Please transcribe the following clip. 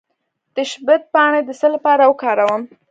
د شبت پاڼې د څه لپاره وکاروم؟